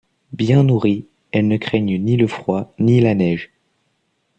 Bien nourries, elles ne craignent ni le froid ni la neige.